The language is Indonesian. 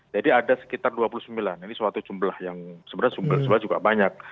jadi ada sekitar dua puluh sembilan ini suatu jumlah yang sebenarnya jumlah jumlah juga banyak